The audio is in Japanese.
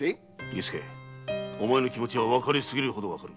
儀助お前の気持ちはわかり過ぎるほどわかる。